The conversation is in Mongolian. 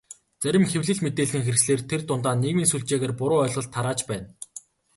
Зарим хэвлэл, мэдээллийн хэрэгслээр тэр дундаа нийгмийн сүлжээгээр буруу ойлголт тарааж байна.